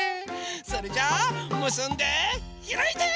それじゃあむすんでひらいて！